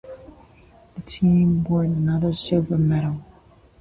The team won another silver medal.